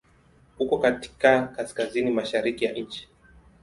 Uko katika Kaskazini mashariki ya nchi.